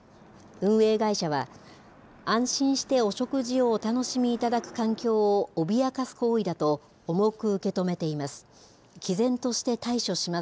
運営会社は、安心してお食事をお楽しみいただく環境を脅かす行為だと、重く受け止めています。